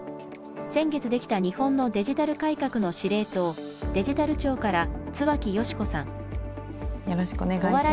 先月できた日本のデジタル改革の司令塔デジタル庁から津脇慈子さん。